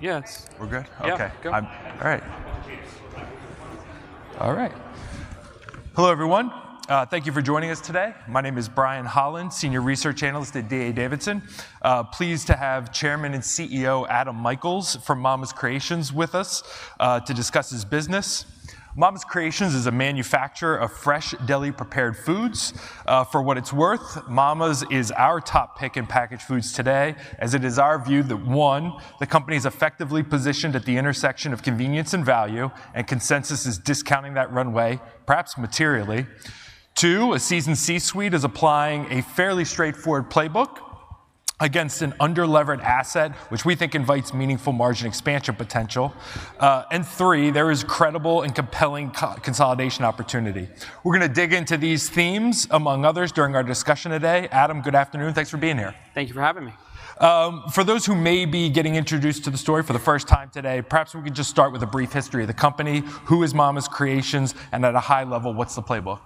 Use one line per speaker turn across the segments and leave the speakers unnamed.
Hello, everyone. Thank you for joining us today. My name is Brian Holland, Senior Research Analyst at D.A. Davidson. Pleased to have Chairman and CEO Adam Michaels from Mama's Creations with us to discuss his business. Mama's Creations is a manufacturer of fresh, deli-prepared foods. For what it's worth, Mama's is our top pick in packaged foods today, as it is our view that, one, the company is effectively positioned at the intersection of convenience and value, and consensus is discounting that runway, perhaps materially. Two, a seasoned C-suite is applying a fairly straightforward playbook against an under-leveraged asset, which we think invites meaningful margin expansion potential, and three, there is credible and compelling consolidation opportunity. We're going to dig into these themes, among others, during our discussion today. Adam, good afternoon. Thanks for being here.
Thank you for having me.
For those who may be getting introduced to the story for the first time today, perhaps we can just start with a brief history of the company. Who is Mama's Creations, and at a high level, what's the playbook?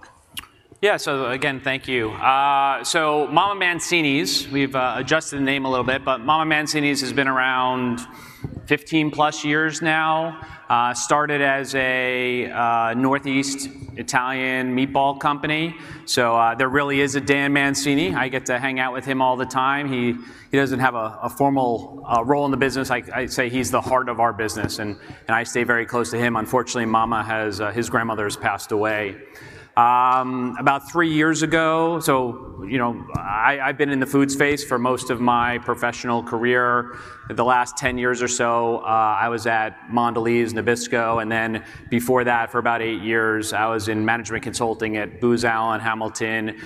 So again, thank you. So MamaMancini's, we've adjusted the name a little bit, but MamaMancini's has been around 15-plus years now. Started as a Northeast Italian meatball company. So there really is a Dan Mancini. I get to hang out with him all the time. He doesn't have a formal role in the business. I'd say he's the heart of our business, and I stay very close to him. Unfortunately, Mama, his grandmother, has passed away about three years ago. So I've been in the food space for most of my professional career. The last 10 years or so, I was at Mondelez, Nabisco, and then before that, for about eight years, I was in management consulting at Booz Allen Hamilton,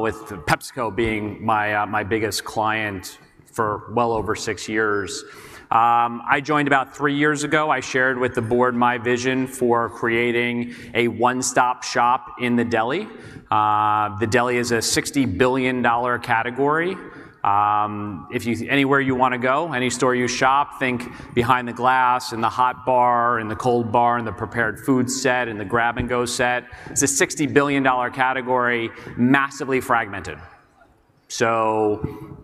with PepsiCo being my biggest client for well over six years. I joined about three years ago. I shared with the board my vision for creating a one-stop shop in the deli. The deli is a $60 billion category. Anywhere you want to go, any store you shop, think behind the glass, in the hot bar, in the cold bar, in the prepared food set, in the grab-and-go set. It's a $60 billion category, massively fragmented. So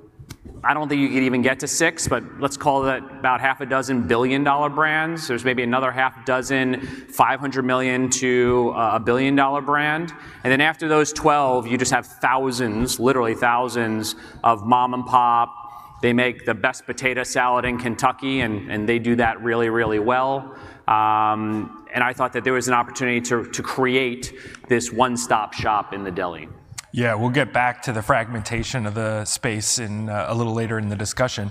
I don't think you could even get to six, but let's call that about half a dozen billion-dollar brands. There's maybe another half dozen, $500 million-$1 billion-dollar brand. And then after those 12, you just have thousands, literally thousands, of mom-and-pop. They make the best potato salad in Kentucky, and they do that really, really well. And I thought that there was an opportunity to create this one-stop shop in the deli.
We'll get back to the fragmentation of the space a little later in the discussion.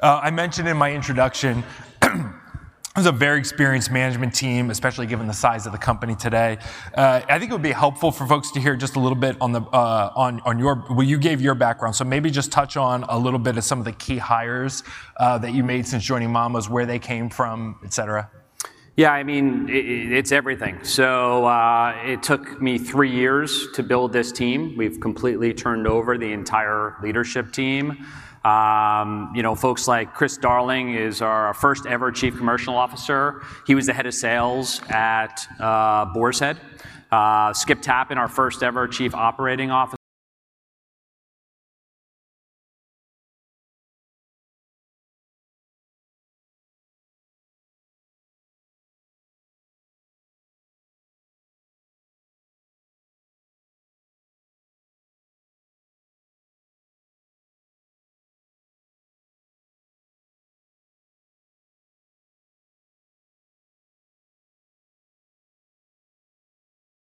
I mentioned in my introduction there's a very experienced management team, especially given the size of the company today. I think it would be helpful for folks to hear just a little bit on your background. So maybe just touch on a little bit of some of the key hires that you made since joining Mama's, where they came from, et cetera.
I mean, it's everything. So it took me three years to build this team. We've completely turned over the entire leadership team. Folks like Chris Darling is our first-ever Chief Commercial Officer. He was the head of sales at Boar's Head. Skip Tappan, our first-ever Chief Operating Officer.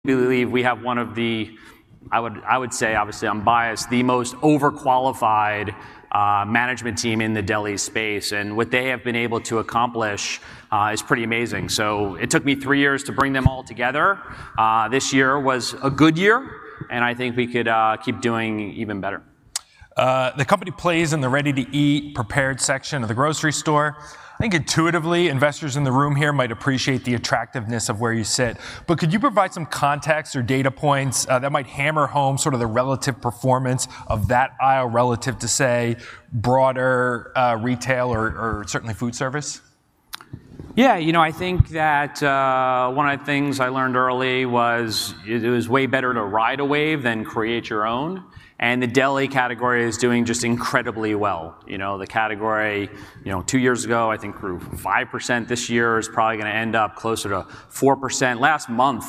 I do believe we have one of the, I would say, obviously I'm biased, the most overqualified management team in the deli space. And what they have been able to accomplish is pretty amazing. So it took me three years to bring them all together. This year was a good year, and I think we could keep doing even better.
The company plays in the ready-to-eat, prepared section of the grocery store. I think intuitively, investors in the room here might appreciate the attractiveness of where you sit. But could you provide some context or data points that might hammer home sort of the relative performance of that aisle relative to, say, broader retail or certainly food service?
I think that one of the things I learned early was it was way better to ride a wave than create your own and the deli category is doing just incredibly well. The category, two years ago, I think grew 5%. This year is probably going to end up closer to 4%. Last month,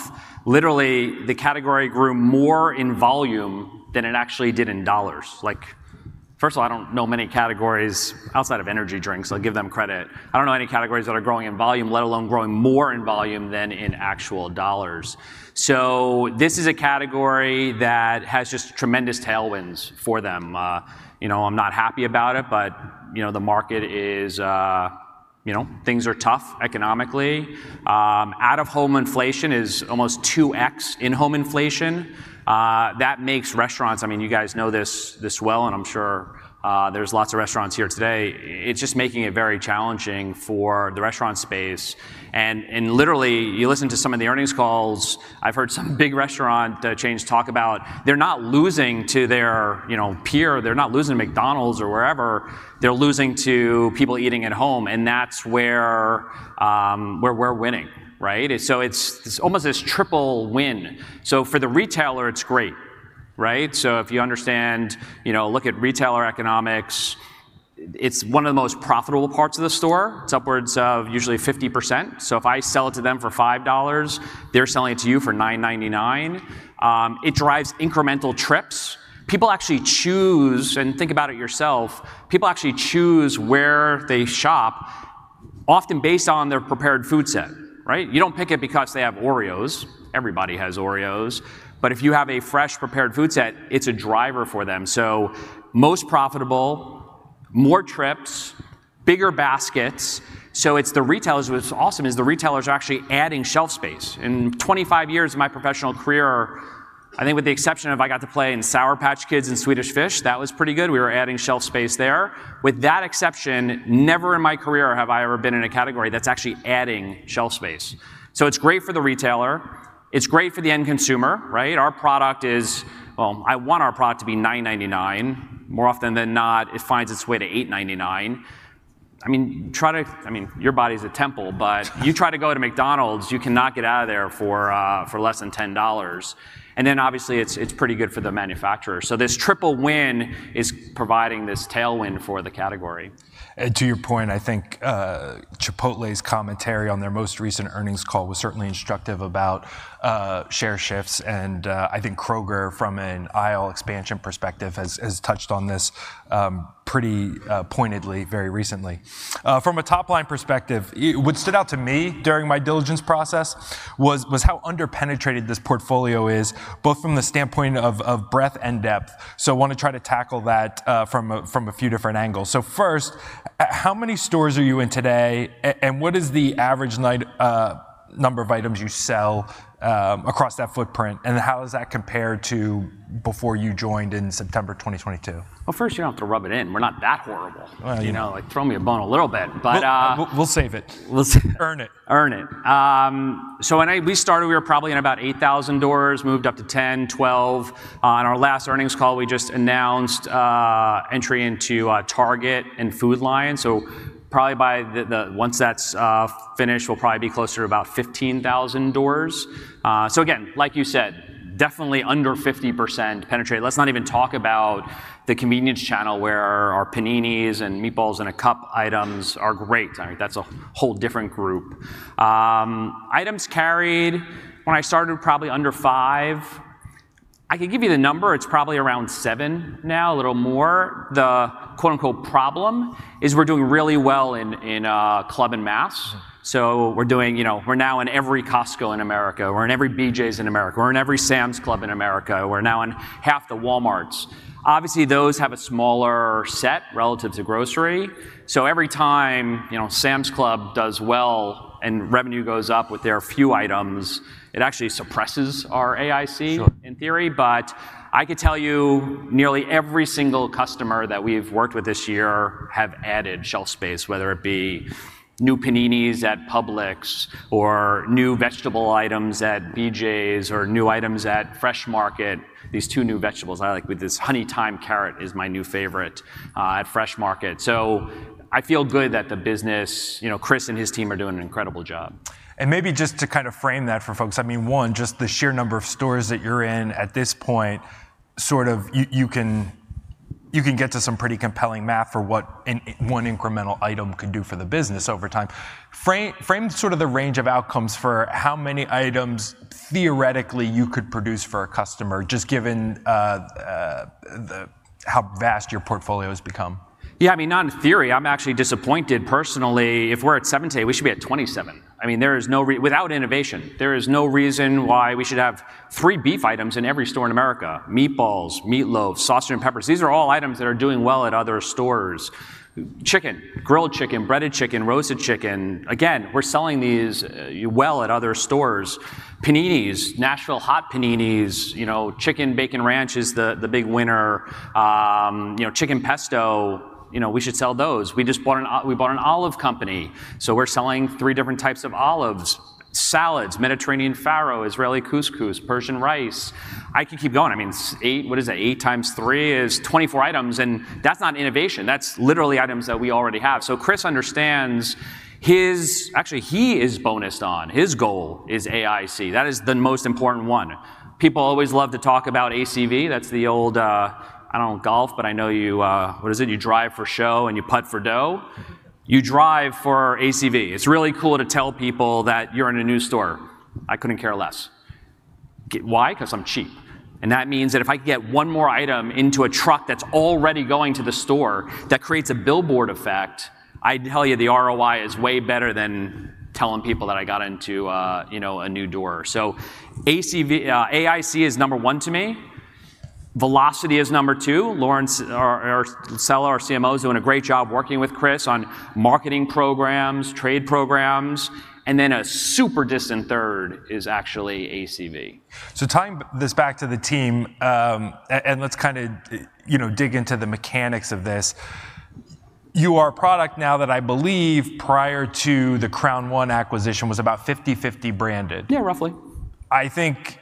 literally, the category grew more in volume than it actually did in dollars. First of all, I don't know many categories outside of energy drinks. I'll give them credit. I don't know any categories that are growing in volume, let alone growing more in volume than in actual dollars, so this is a category that has just tremendous tailwinds for them. I'm not happy about it, but the market is, things are tough economically. Out-of-home inflation is almost 2x in-home inflation. That makes restaurants, I mean, you guys know this well, and I'm sure there's lots of restaurants here today, it's just making it very challenging for the restaurant space, and literally, you listen to some of the earnings calls. I've heard some big restaurant chains talk about they're not losing to their peer. They're not losing to McDonald's or wherever. They're losing to people eating at home, and that's where we're winning, so it's almost this triple win, so for the retailer, it's great. So if you understand, look at retailer economics, it's one of the most profitable parts of the store. It's upwards of usually 50%. So if I sell it to them for $5, they're selling it to you for $9.99. It drives incremental trips. People actually choose, and think about it yourself, people actually choose where they shop, often based on their prepared food set. You don't pick it because they have Oreos. Everybody has Oreos. But if you have a fresh, prepared food set, it's a driver for them. So most profitable, more trips, bigger baskets. So what's awesome is the retailers are actually adding shelf space. In 25 years of my professional career, I think with the exception of I got to play in Sour Patch Kids and Swedish Fish, that was pretty good. We were adding shelf space there. With that exception, never in my career have I ever been in a category that's actually adding shelf space. So it's great for the retailer. It's great for the end consumer. Our product is. Well, I want our product to be $9.99. More often than not, it finds its way to $8.99. I mean, your body's a temple, but you try to go to McDonald's, you cannot get out of there for less than $10. And then obviously, it's pretty good for the manufacturer. So this triple win is providing this tailwind for the category.
To your point, I think Chipotle's commentary on their most recent earnings call was certainly instructive about share shifts. And I think Kroger, from an aisle expansion perspective, has touched on this pretty pointedly very recently. From a top-line perspective, what stood out to me during my diligence process was how underpenetrated this portfolio is, both from the standpoint of breadth and depth. So I want to try to tackle that from a few different angles. So first, how many stores are you in today, and what is the average number of items you sell across that footprint, and how does that compare to before you joined in September 2022?
First, you don't have to rub it in. We're not that horrible. Throw me a bone a little bit, but.
We'll save it.
Earn it. So when we started, we were probably in about 8,000 doors, moved up to 10, 12. On our last earnings call, we just announced entry into Target and Food Lion. So probably once that's finished, we'll probably be closer to about 15,000 doors. So again, like you said, definitely under 50% penetrated. Let's not even talk about the convenience channel where our paninis and Meatballs in a Cup items are great. That's a whole different group. Items carried, when I started, probably under five. I could give you the number. It's probably around seven now, a little more. The "problem" is we're doing really well in Club and Masse. So we're now in every Costco in America. We're in every BJ's in America. We're in every Sam's Club in America. We're now in half the Walmart's. Obviously, those have a smaller set relative to grocery. So every time Sam's Club does well and revenue goes up with their few items, it actually suppresses our AIC in theory. But I could tell you nearly every single customer that we've worked with this year have added shelf space, whether it be new paninis at Publix or new vegetable items at BJ's or new items at Fresh Market. These two new vegetables, with this honey thyme carrot is my new favorite at Fresh Market. So I feel good that the business, Chris and his team, are doing an incredible job.
Maybe just to kind of frame that for folks, I mean, one, just the sheer number of stores that you're in at this point, sort of you can get to some pretty compelling math for what one incremental item could do for the business over time. Frame sort of the range of outcomes for how many items theoretically you could produce for a customer, just given how vast your portfolio has become.
I mean, not in theory. I'm actually disappointed personally. If we're at seven today, we should be at 27. I mean, without innovation, there is no reason why we should have three beef items in every store in America: meatballs, meatloaf, sausage and peppers. These are all items that are doing well at other stores. Chicken, grilled chicken, breaded chicken, roasted chicken. Again, we're selling these well at other stores. Paninis, Nashville Hot Paninis. Chicken Bacon Ranch is the big winner. Chicken Pesto, we should sell those. We bought an olive company. So we're selling three different types of olives: salads, Mediterranean Farro, Israeli Couscous, Persian Rice. I could keep going. I mean, what is it? Eight times three is 24 items, and that's not innovation. That's literally items that we already have. So Chris understands actually. He is bonused on. His goal is AIC. That is the most important one. People always love to talk about ACV. That's the old, I don't know, golf, but I know you what is it? You drive for show and you putt for dough. You drive for ACV. It's really cool to tell people that you're in a new store. I couldn't care less. Why? Because I'm cheap. And that means that if I can get one more item into a truck that's already going to the store, that creates a billboard effect. I'd tell you the ROI is way better than telling people that I got into a new door. So AIC is number one to me. Velocity is number two. Lauren, our CMO, is doing a great job working with Chris on marketing programs, trade programs. And then a super distant third is actually ACV.
So tying this back to the team, and let's kind of dig into the mechanics of this. You are a product now that I believe prior to the Crown One acquisition was about 50/50 branded.
Roughly.
I think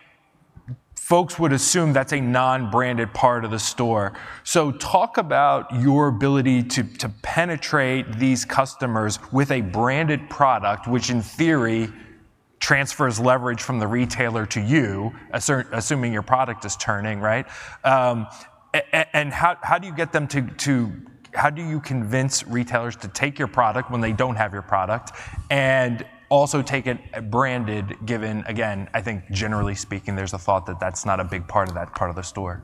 folks would assume that's a non-branded part of the store, so talk about your ability to penetrate these customers with a branded product, which in theory transfers leverage from the retailer to you, assuming your product is turning, and how do you convince retailers to take your product when they don't have your product and also take it branded, given, again, I think generally speaking, there's a thought that that's not a big part of that part of the store.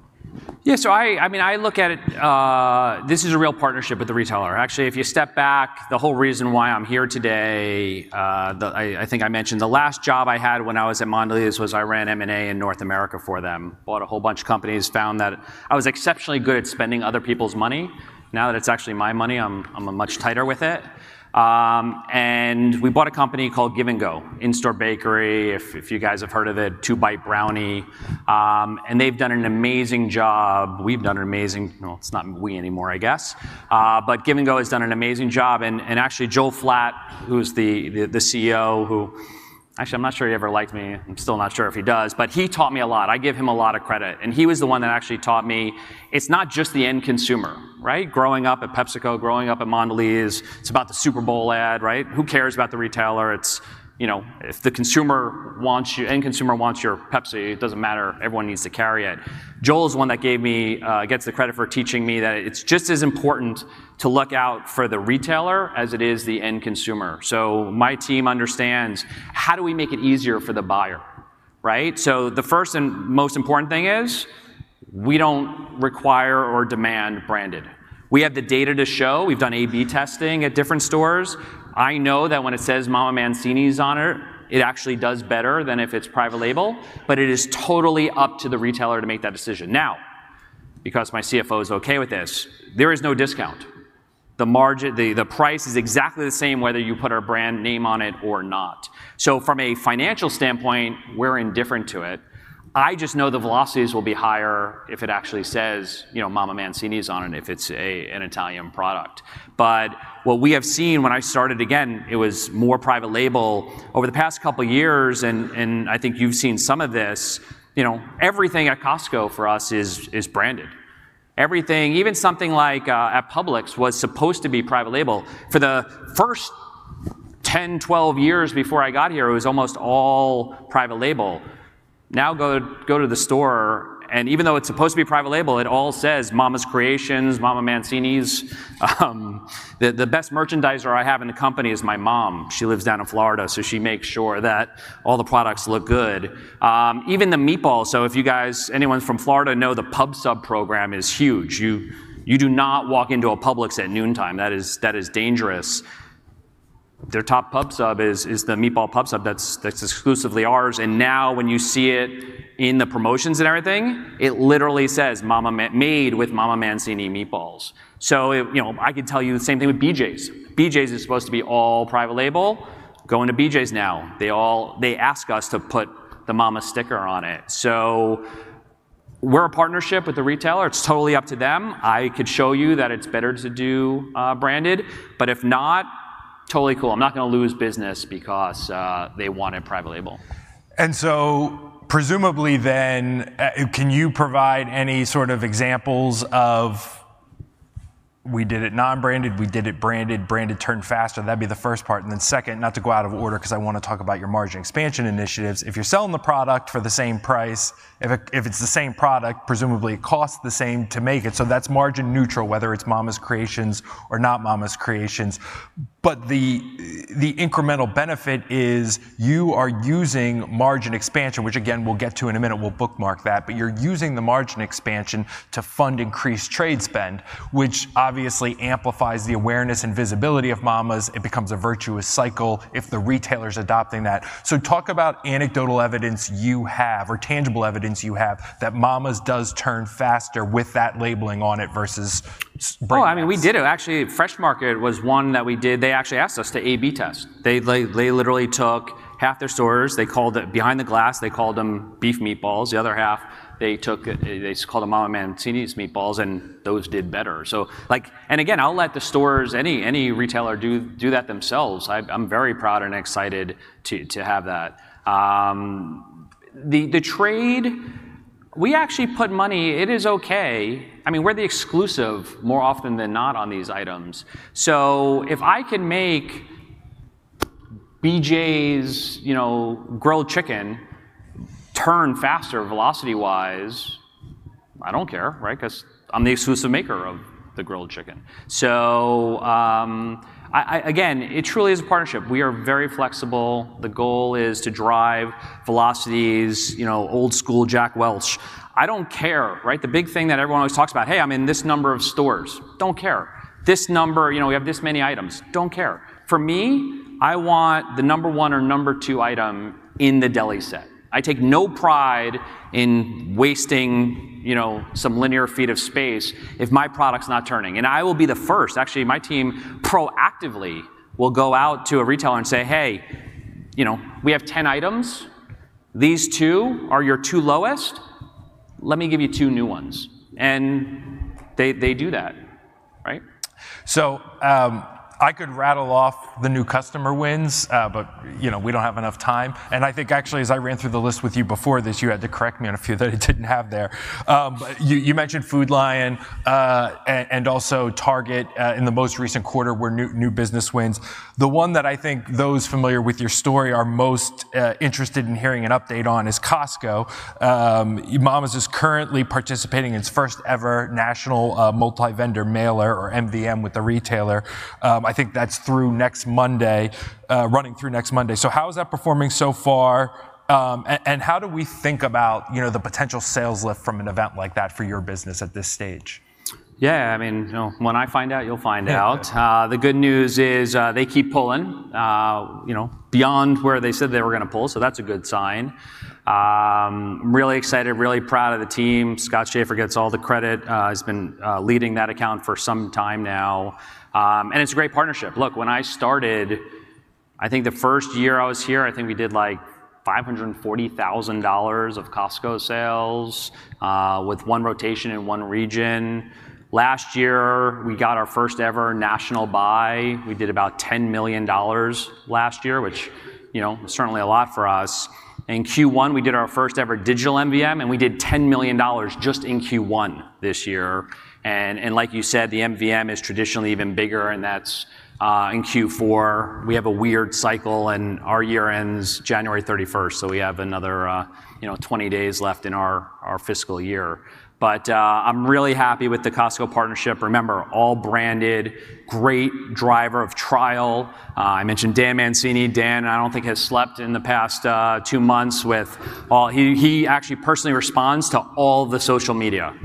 So I mean, I look at it. This is a real partnership with the retailer. Actually, if you step back, the whole reason why I'm here today, I think I mentioned the last job I had when I was at Mondelez was I ran M&A in North America for them, bought a whole bunch of companies, found that I was exceptionally good at spending other people's money. Now that it's actually my money, I'm much tighter with it. And we bought a company called Give & Go, In-Store Bakery, if you guys have heard of it, Two-Bite Brownies. And they've done an amazing job. We've done an amazing well, it's not we anymore, I guess. But Give & Go has done an amazing job. And actually, Joel Flatt, who's the CEO, who actually, I'm not sure he ever liked me. I'm still not sure if he does. But he taught me a lot. I give him a lot of credit. And he was the one that actually taught me it's not just the end consumer. Growing up at PepsiCo, growing up at Mondelez, it's about the Super Bowl ad. Who cares about the retailer? If the end consumer wants your Pepsi, it doesn't matter. Everyone needs to carry it. Joel is the one that gets the credit for teaching me that it's just as important to look out for the retailer as it is the end consumer. So my team understands how do we make it easier for the buyer. So the first and most important thing is we don't require or demand branded. We have the data to show. We've done A/B testing at different stores. I know that when it says Mama Mancini's on it, it actually does better than if it's private label. But it is totally up to the retailer to make that decision. Now, because my CFO is OK with this, there is no discount. The price is exactly the same whether you put our brand name on it or not. So from a financial standpoint, we're indifferent to it. I just know the velocities will be higher if it actually says MamaMancini's on it, if it's an Italian product. But what we have seen when I started, again, it was more private label. Over the past couple of years, and I think you've seen some of this, everything at Costco for us is branded. Even something like at Publix was supposed to be private label. For the first 10, 12 years before I got here, it was almost all private label. Now go to the store, and even though it's supposed to be private label, it all says Mama's Creations, MamaMancini's. The best merchandiser I have in the company is my mom. She lives down in Florida, so she makes sure that all the products look good. Even the meatball, so if you guys, anyone from Florida know the Pub Sub program is huge. You do not walk into a Publix at noontime. That is dangerous. Their top Pub Sub is the meatball Pub Sub that's exclusively ours. And now when you see it in the promotions and everything, it literally says made with MamaMancini's meatballs. So I could tell you the same thing with BJ's. BJ's is supposed to be all private label. Go into BJ's now. They ask us to put the Mama sticker on it. So we're a partnership with the retailer. It's totally up to them. I could show you that it's better to do branded. But if not, totally cool. I'm not going to lose business because they want it private label.
And so presumably then, can you provide any sort of examples of we did it non-branded, we did it branded, branded turned faster? That'd be the first part. And then second, not to go out of order because I want to talk about your margin expansion initiatives. If you're selling the product for the same price, if it's the same product, presumably it costs the same to make it. So that's margin neutral, whether it's Mama's Creations or not Mama's Creations. But the incremental benefit is you are using margin expansion, which again, we'll get to in a minute. We'll bookmark that. But you're using the margin expansion to fund increased trade spend, which obviously amplifies the awareness and visibility of Mama's. It becomes a virtuous cycle if the retailer's adopting that. So, talk about anecdotal evidence you have or tangible evidence you have that Mama's does turn faster with that labeling on it versus branded.
I mean, we did it. Actually, The Fresh Market was one that we did. They actually asked us to A/B test. They literally took half their stores. They called it behind the glass. They called them beef meatballs. The other half, they called them Mama Mancini's meatballs, and those did better. Again, I'll let the stores, any retailer do that themselves. I'm very proud and excited to have that. The trade, we actually put money. It is OK. I mean, we're the exclusive more often than not on these items. If I can make BJ's grilled chicken turn faster velocity-wise, I don't care because I'm the exclusive maker of the grilled chicken. Again, it truly is a partnership. We are very flexible. The goal is to drive velocities, old school Jack Welch. I don't care. The big thing that everyone always talks about, hey, I'm in this number of stores. Don't care. This number, we have this many items. Don't care. For me, I want the number one or number two item in the deli set. I take no pride in wasting some linear feet of space if my product's not turning, and I will be the first. Actually, my team proactively will go out to a retailer and say, hey, we have 10 items. These two are your two lowest. Let me give you two new ones, and they do that.
I could rattle off the new customer wins, but we don't have enough time. I think actually, as I ran through the list with you before this, you had to correct me on a few that I didn't have there. You mentioned Food Lion and also Target in the most recent quarter were new business wins. The one that I think those familiar with your story are most interested in hearing an update on is Costco. Mama's is currently participating in its first ever national multi-vendor mailer or MVM with the retailer. I think that's through next Monday, running through next Monday. How is that performing so far? How do we think about the potential sales lift from an event like that for your business at this stage?
I mean, when I find out, you'll find out. The good news is they keep pulling beyond where they said they were going to pull. So that's a good sign. I'm really excited, really proud of the team. Scott Scheffer gets all the credit. He's been leading that account for some time now. And it's a great partnership. Look, when I started, I think the first year I was here, I think we did like $540,000 of Costco sales with one rotation in one region. Last year, we got our first ever national buy. We did about $10 million last year, which is certainly a lot for us. In Q1, we did our first ever digital MVM, and we did $10 million just in Q1 this year. And like you said, the MVM is traditionally even bigger, and that's in Q4. We have a weird cycle, and our year ends January 31. So we have another 20 days left in our FY. But I'm really happy with the Costco partnership. Remember, all branded, great driver of trial. I mentioned Dan Mancini. Dan, I don't think has slept in the past two months with all he actually personally responds to all the social media.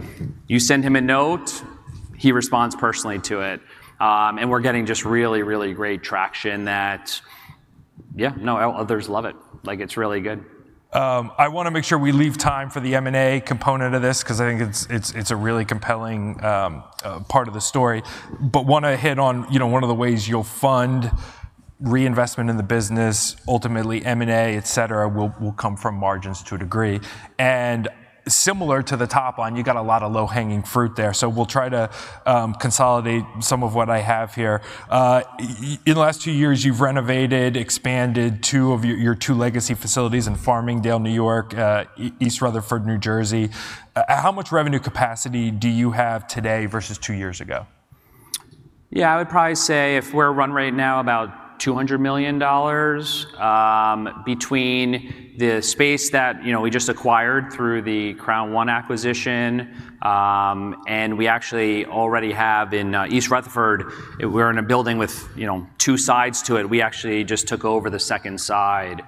You send him a note, he responds personally to it. And we're getting just really, really great traction that, no, others love it. It's really good.
I want to make sure we leave time for the M&A component of this because I think it's a really compelling part of the story, but want to hit on one of the ways you'll fund reinvestment in the business. Ultimately, M&A, et cetera, will come from margins to a degree, and similar to the top line, you've got a lot of low-hanging fruit there, so we'll try to consolidate some of what I have here. In the last two years, you've renovated, expanded two of your two legacy facilities in Farmingdale, New York, East Rutherford, New Jersey. How much revenue capacity do you have today versus two years ago?
I would probably say if we're run right now about $200 million between the space that we just acquired through the Crown One acquisition and we actually already have in East Rutherford. We're in a building with two sides to it. We actually just took over the second side.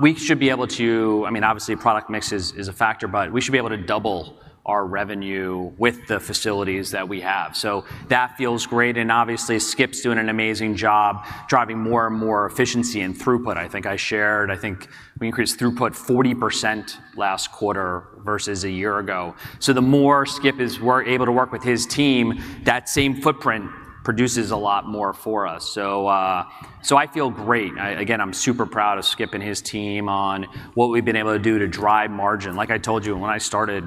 We should be able to. I mean, obviously, product mix is a factor, but we should be able to double our revenue with the facilities that we have. So that feels great, and obviously, Skip's doing an amazing job driving more and more efficiency and throughput. I think I shared. I think we increased throughput 40% last quarter versus a year ago. So the more Skip is able to work with his team, that same footprint produces a lot more for us. So I feel great. Again, I'm super proud of Skip and his team on what we've been able to do to drive margin. Like I told you, when I started,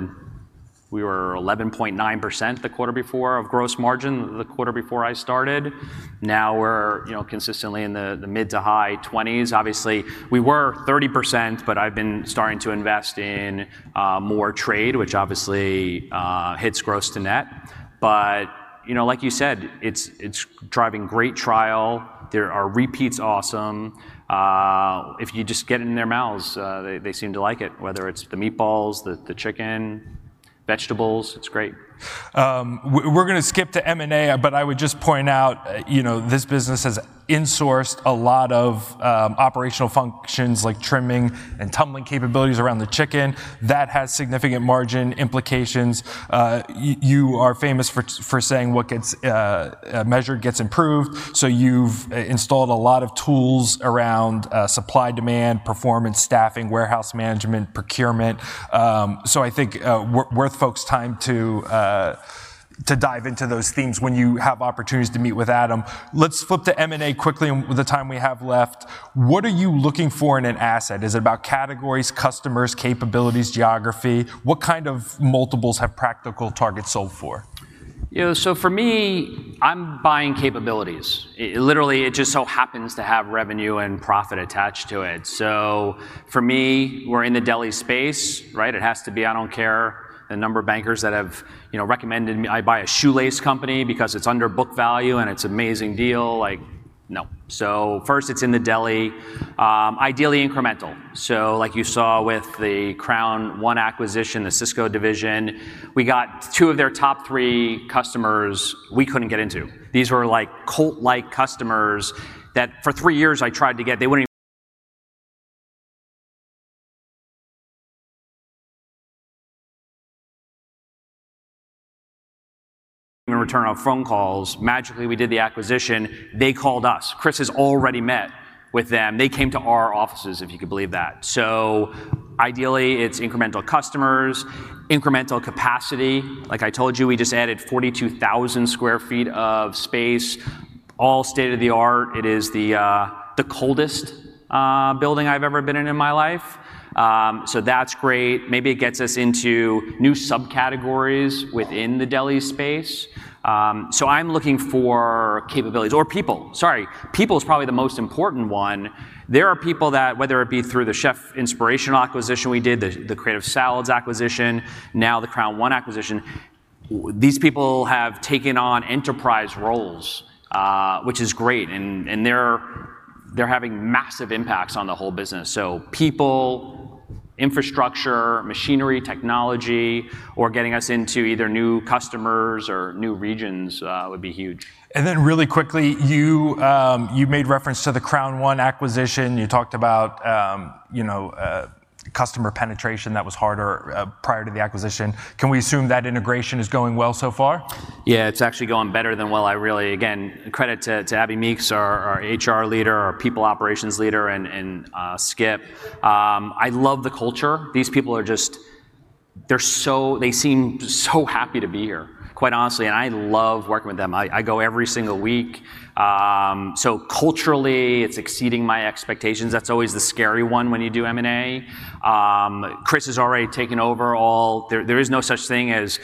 we were 11.9% the quarter before of gross margin the quarter before I started. Now we're consistently in the mid- to high 20s%. Obviously, we were 30%, but I've been starting to invest in more trade, which obviously hits gross to net. But like you said, it's driving great trial. Our repeat's awesome. If you just get it in their mouths, they seem to like it, whether it's the meatballs, the chicken, vegetables. It's great.
We're going to skip to M&A, but I would just point out this business has insourced a lot of operational functions like trimming and tumbling capabilities around the chicken. That has significant margin implications. You are famous for saying what gets measured gets improved. So you've installed a lot of tools around supply demand, performance, staffing, warehouse management, procurement. So I think worth folks' time to dive into those themes when you have opportunities to meet with Adam. Let's flip to M&A quickly with the time we have left. What are you looking for in an asset? Is it about categories, customers, capabilities, geography? What kind of multiples have practical targets sold for?
So for me, I'm buying capabilities. Literally, it just so happens to have revenue and profit attached to it. So for me, we're in the deli space. It has to be. I don't care the number of bankers that have recommended I buy a shoelace company because it's under book value and it's an amazing deal. No. So first, it's in the deli. Ideally, incremental. So like you saw with the Crown One acquisition, the Sysco division, we got two of their top three customers we couldn't get into. These were cult-like customers that for three years I tried to get. Return our phone calls. Magically, we did the acquisition. They called us. Chris has already met with them. They came to our offices, if you could believe that. So ideally, it's incremental customers, incremental capacity. Like I told you, we just added 42,000 sq ft of space, all state of the art. It is the coldest building I've ever been in in my life. So that's great. Maybe it gets us into new subcategories within the deli space. So I'm looking for capabilities or people. Sorry. People is probably the most important one. There are people that, whether it be through the Chef's Inspiration acquisition we did, the Creative Salads acquisition, now the Crown One acquisition, these people have taken on enterprise roles, which is great. And they're having massive impacts on the whole business. So people, infrastructure, machinery, technology, or getting us into either new customers or new regions would be huge.
And then really quickly, you made reference to the Crown One acquisition. You talked about customer penetration that was harder prior to the acquisition. Can we assume that integration is going well so far?
It's actually going better than well. I really, again, credit to Abby Meeks, our HR leader, our people operations leader and Skip. I love the culture. These people are just, they seem so happy to be here, quite honestly, and I love working with them. I go every single week, so culturally, it's exceeding my expectations. That's always the scary one when you do M&A. Chris has already taken over all. There is no such thing as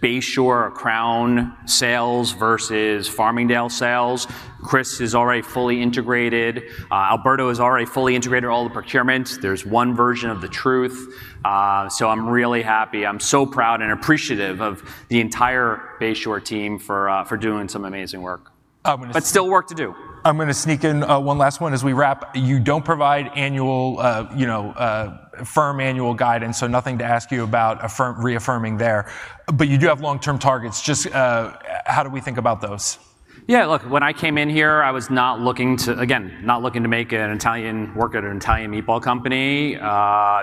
Bay Shore or Crown sales versus Farmingdale sales. Chris is already fully integrated. Alberto has already fully integrated all the procurements. There's one version of the truth, so I'm really happy. I'm so proud and appreciative of the entire Bayshore team for doing some amazing work, but still work to do.
I'm going to sneak in one last one as we wrap. You don't provide firm annual guidance, so nothing to ask you about reaffirming there. But you do have long-term targets. Just how do we think about those?
Look, when I came in here, I was not looking to, again, not looking to make an Italian work at an Italian meatball company.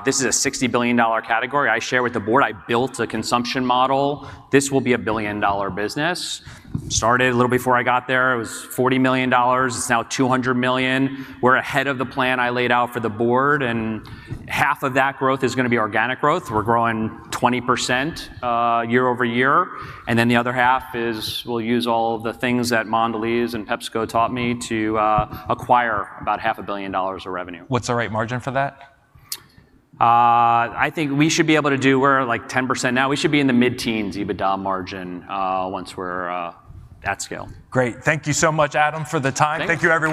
This is a $60 billion category. I share with the board. I built a consumption model. This will be a billion-dollar business. Started a little before I got there. It was $40 million. It's now $200 million. We're ahead of the plan I laid out for the board. And half of that growth is going to be organic growth. We're growing 20% year over year. And then the other half is we'll use all of the things that Mondelez and PepsiCo taught me to acquire about $500 million of revenue.
What's the right margin for that?
I think we should be able to do. We're like 10% now. We should be in the mid-teens EBITDA margin once we're at scale.
Great. Thank you so much, Adam, for the time. Thank you.